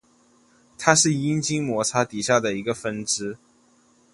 它是阴茎摩擦底下的一个分支。